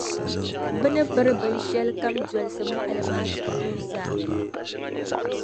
bɛ ni biri binshɛlikam dolisi mɔɣili maa ti kuui zaa.